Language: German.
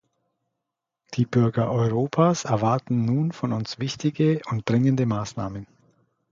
Die Bürger Europas erwarten nun von uns wichtige und dringende Maßnahmen.